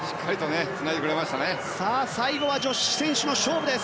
最後は女子選手の勝負！